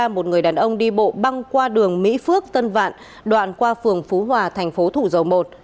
một người đàn ông đi bộ băng qua đường mỹ phước tân vạn đoạn qua phường phú hòa thành phố thủ dầu một